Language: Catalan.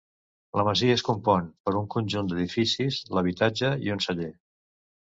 La masia es compon per un conjunt d'edificis, l'habitatge i un celler.